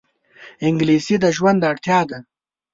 انګلیسي د ژوند اړتیا ده